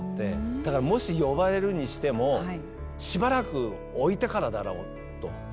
だから、もし呼ばれるにしてもしばらく置いてからだろうと。